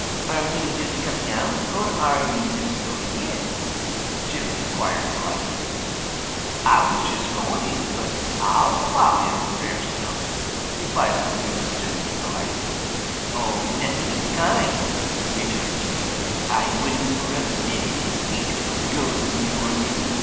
"Are you just coming out, or are you just going in?" Jimmy inquired politely. "Ah was just going in, but Ah'll follow yo', Brer Skunk," replied Unc' Billy just as politely. "Nothing of the kind," returned Jimmy. "I wouldn't for a minute think of going before you.